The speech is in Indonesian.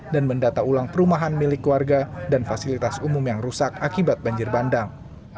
dan mendata ulang perumahan milik keluarga dan fasilitas umum yang rusak akibat banjar bandang